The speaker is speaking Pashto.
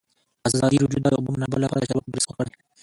ازادي راډیو د د اوبو منابع لپاره د چارواکو دریځ خپور کړی.